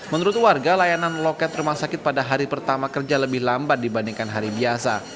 menurut warga layanan loket rumah sakit pada hari pertama kerja lebih lambat dibandingkan hari biasa